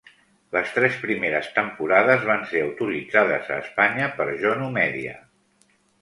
Les tres primeres temporades van ser autoritzades a Espanya per Jonu Media.